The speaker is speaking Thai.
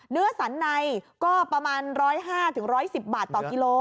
เนื้อสันในก็ประมาณ๑๐๕๑๑๐บาทต่อกิโล